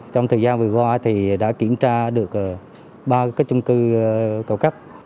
trong thời gian vừa qua thì đã kiểm tra được ba cái chung cư cầu cấp